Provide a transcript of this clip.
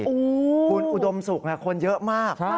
คุณอุดมศุกร์คนเยอะมาก